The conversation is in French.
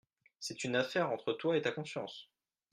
C’est une affaire entre toi et ta conscience !